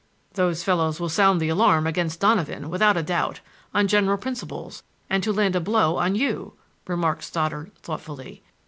"Those fellows will sound the alarm against Donovan, without a doubt, on general principles and to land a blow on you," remarked Stoddard thoughtfully.